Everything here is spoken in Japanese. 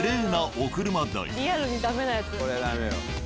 これはダメよ。